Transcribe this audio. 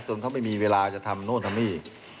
เขาไม่มีเวลาจะทำโน่นทำนี่